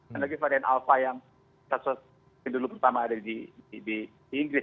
dan lagi varian alpha yang kasus yang dulu pertama ada di inggris